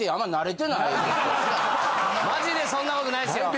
マジでそんなことないっすよ！